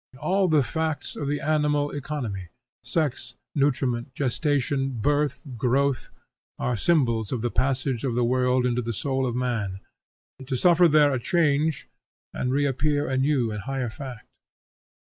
All the facts of the animal economy, sex, nutriment, gestation, birth, growth, are symbols of the passage of the world into the soul of man, to suffer there a change and reappear a new and higher fact.